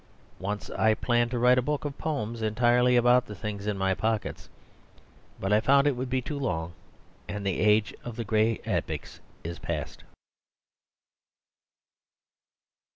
Once I planned to write a book of poems entirely about the things in my pockets. But I found it would be too long; and the age of the great epics is past.